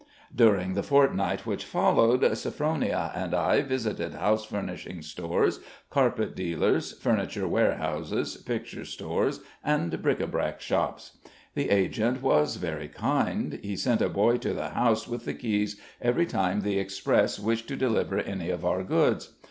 During the fortnight which followed, Sophronia and I visited house furnishing stores, carpet dealers, furniture warehouses, picture stores, and bric a brac shops. The agent was very kind; he sent a boy to the house with the keys every time the express wished to deliver any of our goods.